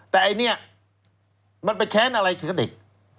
แต่ไอ้เนี่ยมันไปแค้นอะไรถึงกับเด็ก